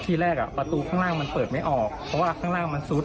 ทีแรกประตูข้างล่างมันเปิดไม่ออกเพราะว่าข้างล่างมันซุด